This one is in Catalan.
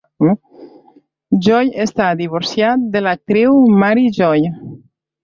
Joy està divorciat de l'actriu Mary Joy.